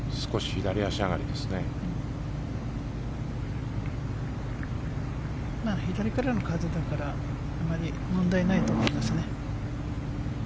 左からの風だからあまり問題ないと思いますね。